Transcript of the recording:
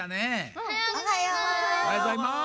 おはようございます！